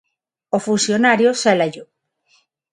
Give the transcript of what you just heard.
O funcionario sélallo.